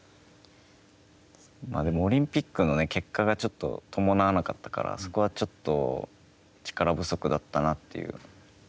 でも、オリンピックの結果がちょっと伴わなかったからそこはちょっと力不足だったなという。